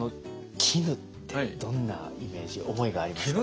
絹ってどんなイメージ思いがありますか？